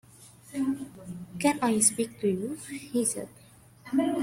“Can I speak to you?” he said.